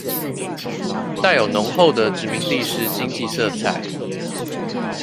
帶有濃厚的殖民地式經濟色彩